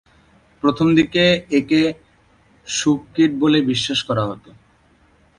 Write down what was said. প্রথমদিকে একে শূককীট বলে বিশ্বাস করা হত।